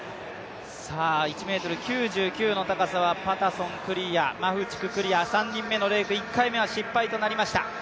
１ｍ９９の高さはパタソン、クリアマフチク、クリア３人目のレイク、１回目は失敗となりました。